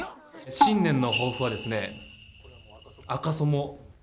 新年の抱負はですねこうか。